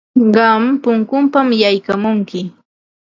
Qam punkunpam yaykamunki.